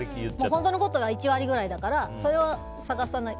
本当のことは１割ぐらいだから探さない。